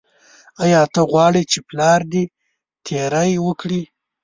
ایا ته غواړې چې پلار دې تیری وکړي.